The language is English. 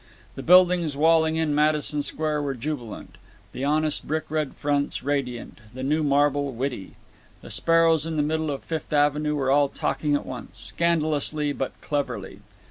The buildings walling in Madison Square were jubilant; the honest red brick fronts, radiant; the new marble, witty. The sparrows in the middle of Fifth Avenue were all talking at once, scandalously but cleverly.